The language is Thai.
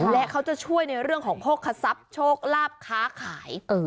และเขาจะช่วยในเรื่องของโภคทรัพย์โชคลาภค้าขาย